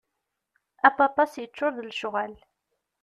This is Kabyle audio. Apapas yeččur d lecɣal.